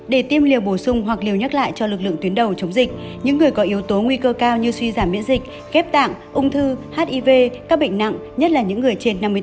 để tiêm liều bổ sung hoặc liều nhắc lại cho lực lượng tuyến đầu chống dịch những người có yếu tố nguy cơ cao như suy giảm miễn dịch ghép tạng ung thư hiv các bệnh nặng nhất là những người trên năm mươi tám tuổi